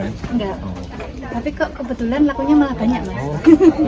tapi kok kebetulan lakunya malah banyak mas